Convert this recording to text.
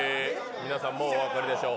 皆さんもうお分かりでしょう。